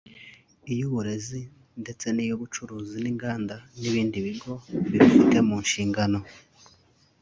iy’Uburezi ndetse n’iy’Ubucuruzi n’Inganda n’ibindi bigo birufite mu nshingano